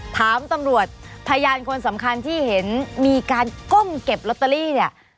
ถามตำรวจพยานคนสำคัญที่เห็นมีการก้มเก็บลอตเตอรี่เนี่ย